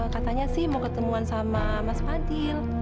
katanya sih mau ketemuan sama mas fadil